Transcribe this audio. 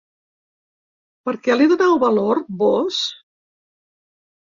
Per què li doneu valor, vós?